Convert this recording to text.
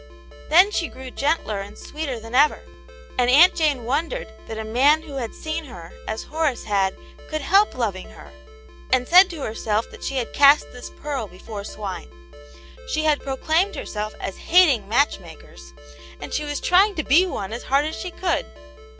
Then she grew gentler and sweeter than ever, and Aunt Jane wondered that a man who had seen her, as Horace had, could help loving her; and said to herself that she had cast this pearl before swine. She had proclaimed herself as hating match makers, and she was trying to be one as hard as she could.